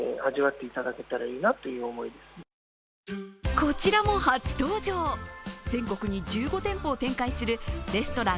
こちらも初登場、全国に１５店舗展開するレストラン